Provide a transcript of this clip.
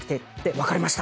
分かりました！